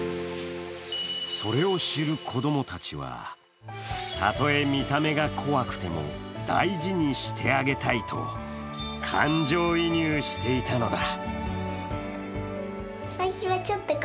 それを知る子供たちはたとえ見た目が怖くても大事にしてあげたいと感情移入していたのだ。